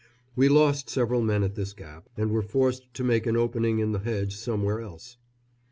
We lost several men at this gap, and were forced to make an opening in the hedge somewhere else.